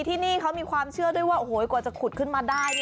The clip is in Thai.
ที่นี่เขามีความเชื่อด้วยว่าโอ้โหกว่าจะขุดขึ้นมาได้